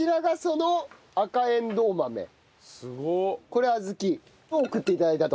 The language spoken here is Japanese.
これ小豆。を送って頂いたと。